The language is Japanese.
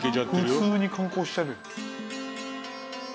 普通に観光してる。